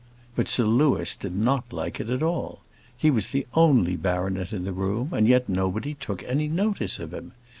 But Sir Louis did not like it at all. He was the only baronet in the room, and yet nobody took any notice of him.